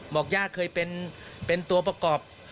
บอกย่าเคยเป็นเป็นตัวประกอบ